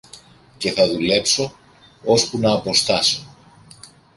και θα δουλέψω ώσπου ν' αποστάσω.